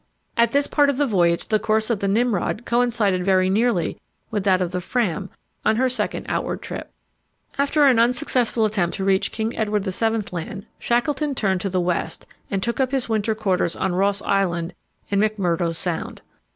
At this part of the voyage the course of the Nimrod coincided very nearly with that of the Fram on her second outward trip. After an unsuccessful attempt to reach King Edward VII. Land, Shackleton turned to the west and took up his winter quarters on Ross Island in McMurdo Sound.